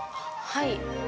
はい。